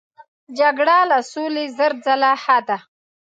جګړه له سولې زر ځله ښه ده.